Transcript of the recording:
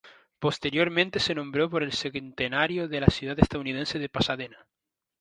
Posteriormente se nombró por el centenario de la ciudad estadounidense de Pasadena.